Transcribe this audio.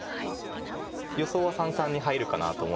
予想は三々に入るかなと思ってました。